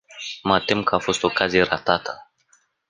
Mă tem că a fost o ocazie ratată.